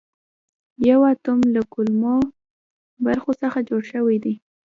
یو اتوم له کومو برخو څخه جوړ شوی دی